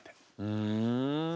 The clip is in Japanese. ふん。